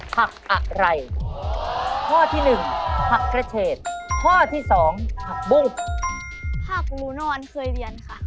ผักลูนอนเคยเรียนค่ะ